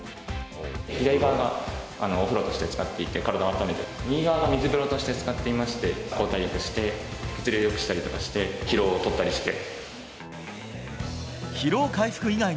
右側がお風呂として使っていて、体をあっためて、右側が水風呂として使っていまして、よくして血流をよくしたりとかして、疲労を取ったりして。